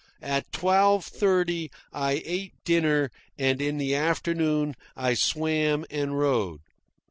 At twelve thirty I ate dinner and in the afternoon I swam and rode.